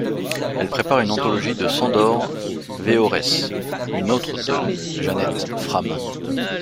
Elle prépare une anthologie de Sándor Weöres, une autre de Janet Frame.